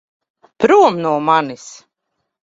Prom no manis!